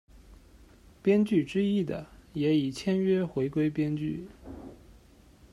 编剧之一的也已签约回归编剧。